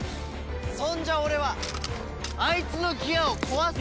そんじゃ俺はあいつのギアを壊す。